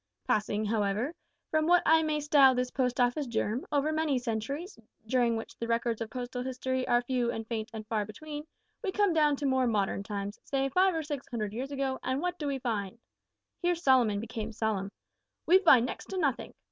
"Passing, however, from what I may style this Post Office germ, over many centuries, during which the records of postal history are few and faint and far between, we come down to more modern times say five or six hundred years ago and what do we find?" (Here Solomon became solemn.) "We find next to nothink!